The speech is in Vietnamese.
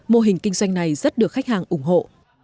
mô hình kinh doanh này rất được khách hàng ủng hộ